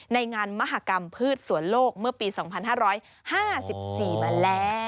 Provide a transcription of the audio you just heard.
ในงานมหากรรมพืชสวนโลกเมื่อปี๒๕๕๔มาแล้ว